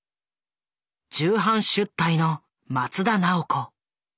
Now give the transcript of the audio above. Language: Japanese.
「重版出来！」の松田奈緒子。